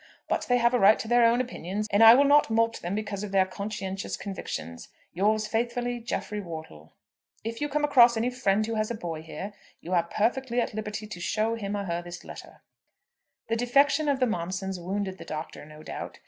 But they have a right to their own opinions, and I will not mulct them because of their conscientious convictions. Yours faithfully, "JEFFREY WORTLE." "If you come across any friend who has a boy here, you are perfectly at liberty to show him or her this letter." The defection of the Momsons wounded the Doctor, no doubt.